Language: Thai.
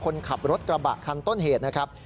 คนขับรถกระบะคันต้นเหตุนะครับ